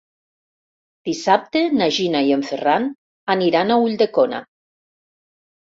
Dissabte na Gina i en Ferran aniran a Ulldecona.